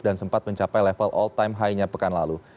dan sempat mencapai level all time high nya pekan lalu